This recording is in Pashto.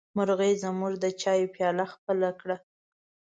مرغۍ زموږ د چايه پياله خپله کړه.